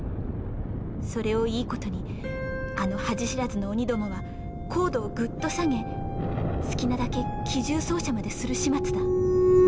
それをいい事にあの恥知らずの鬼どもは高度をぐっと下げ好きなだけ機銃掃射までする始末だ。